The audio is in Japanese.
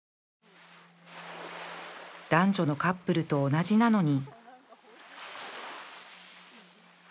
男女のカップルと同じなのに